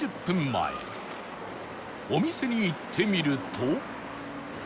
続いてお店に行ってみると